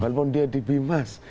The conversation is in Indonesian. walaupun dia di bimas